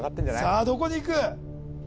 さあどこにいく？